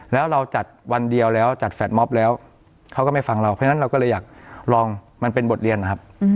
แล้วเราจัดวันเดียวแล้วจัดแฟลตมอบแล้วเขาก็ไม่ฟังเราเพราะฉะนั้นเราก็เลยอยากลองมันเป็นบทเรียนนะครับ